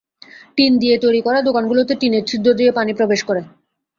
Tin দিয়ে তৈরি করা দোকানগুলোতে টিনের ছিদ্র দিয়ে পানি প্রবেশ করে।